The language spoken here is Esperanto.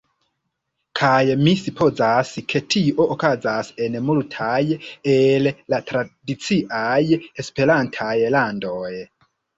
Kaj mi supozas ke tio okazas en multaj el la tradiciaj Esperantaj landoj.